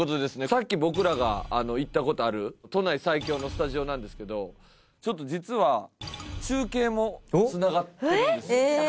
さっき僕らが行ったことある都内最恐のスタジオなんですけどちょっと実は中継もつながってるんですよ